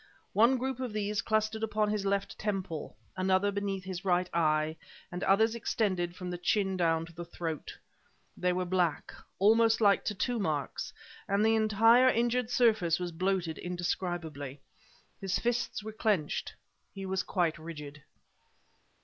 One group of these clustered upon his left temple, another beneath his right eye, and others extended from the chin down to the throat. They were black, almost like tattoo marks, and the entire injured surface was bloated indescribably. His fists were clenched; he was quite rigid.